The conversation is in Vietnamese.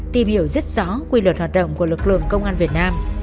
tìm hiểu rất rõ quy luật hoạt động của lực lượng công an việt nam